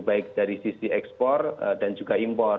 baik dari sisi ekspor dan juga impor